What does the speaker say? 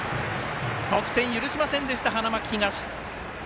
得点、許しませんでした、花巻東。